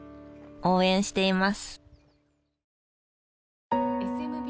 応援しています。